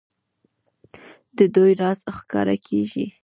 د دوی راز ښکاره کېږي.